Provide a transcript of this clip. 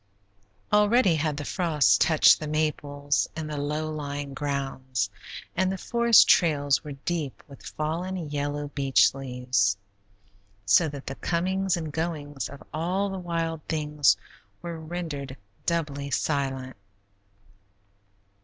Already had the frost touched the maples in the low lying grounds, and the forest trails were deep with fallen, yellow beech leaves, so that the comings and goings of all the wild things were rendered doubly silent.